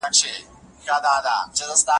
موږ پرون په ټولګي کي پر پښتو ژبه بحث وکړ.